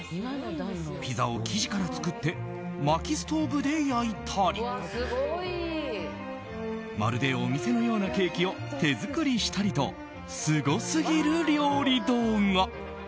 ピザを生地から作ってまきストーブで焼いたりまるでお店のようなケーキを手作りしたりとすごすぎる料理動画。